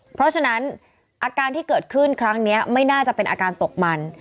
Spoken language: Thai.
เพราะฉะนั้นอาการที่เกิดขึ้นครั้งนี้ไม่น่าจะเป็นอาการตกมัน